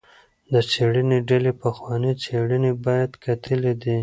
د څیړنې ډلې پخوانۍ څیړنې بیا کتلي دي.